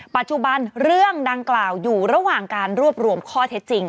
ปัจจุบันเรื่องดังกล่าวอยู่ระหว่างการรวบรวมข้อเท็จจริง